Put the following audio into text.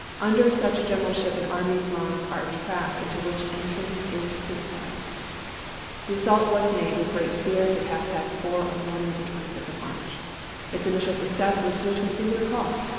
Under such generalship an army's lines are a trap into which entrance is suicide. The assault was made with great spirit at half past four on the morning of the 25th of March. Its initial success was due to a singular cause.